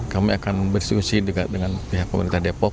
kami akan berdiskusi dengan pihak pemerintah depok